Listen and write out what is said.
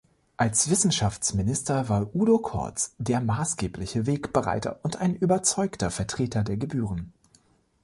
Als Wissenschaftsminister war Udo Corts der maßgebliche Wegbereiter und ein überzeugter Vertreter der Gebühren.